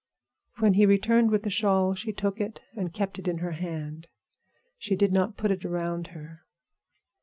When he returned with the shawl she took it and kept it in her hand. She did not put it around her.